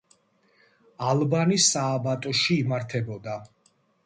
ალბანის სააბატოში იმართებოდა.